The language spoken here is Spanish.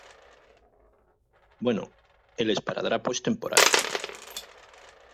bueno, el esparadrapo es temporal ;